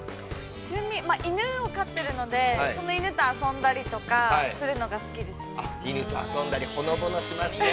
犬を飼ってるのでその犬と遊んだりとかするのが好きですね。